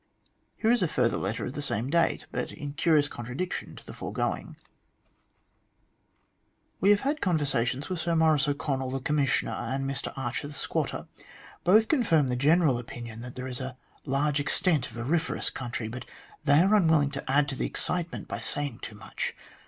Here is a further letter of the same date, but in curious contradiction to the foregoing :" We have had conversations with Sir Maurice O'Connell, the Commissioner, and Mr Archer, the squatter. Both confirm the general opinion that there is a large extent of auriferous country, but they are unwilling to add to the excitement by saying too much.